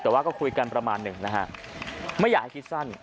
แต่ว่าก็คุยกันประมาณหนึ่งนะฮะไม่อยากให้คิดสั้น